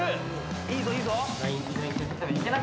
いいぞいいぞ。